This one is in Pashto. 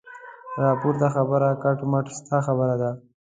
دا پورته خبره کټ مټ ستا خبره ده.